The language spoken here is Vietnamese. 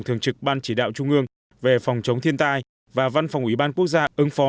thường trực ban chỉ đạo trung ương về phòng chống thiên tai và văn phòng ủy ban quốc gia ứng phó